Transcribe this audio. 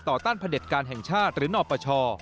ต้านพระเด็จการแห่งชาติหรือนปช